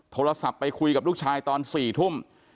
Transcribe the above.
โทรศัพท์ไปคุยกับลูกชายตอน๔ทุ่ม